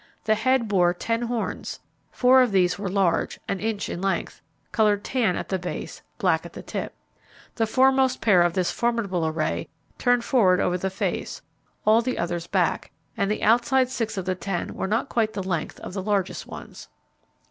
The head bore ten horns. Four of these were large, an inch in length, coloured tan at the base, black at the tip. The foremost pair of this formidable array turned front over the face, all the others back, and the outside six of the ten were not quite the length of the largest ones.